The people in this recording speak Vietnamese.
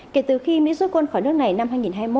kể từ khi mỹ rút quân khỏi nước này năm hai nghìn hai mươi một